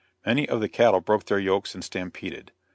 Many of the cattle broke their yokes and stampeded.